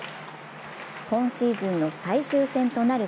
今シーズンの最終戦となる